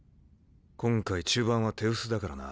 今回中盤は手薄だからな。